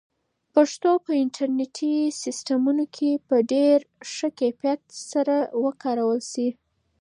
پښتو به په انټرنیټي سیسټمونو کې په ډېر ښه کیفیت سره وکارول شي.